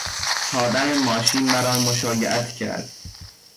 تا دم ماشین مرا مشایعت کرد.